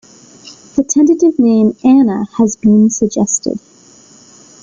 The tentative name "Anna" has been suggested.